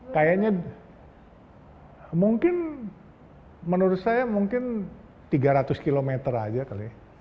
kayaknya mungkin menurut saya mungkin tiga ratus km aja kali